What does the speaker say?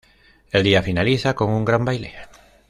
El día finaliza con un gran baile.